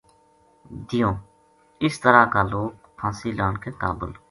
دیوں اس طرح کا لوک پھانسی لان کے قابل